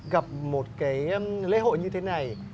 gặp một cái lễ hội như thế này